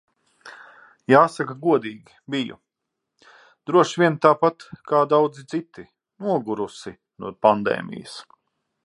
Jāsaka godīgi, biju – droši vien tāpat kā daudzi citi – nogurusi no pandēmijas.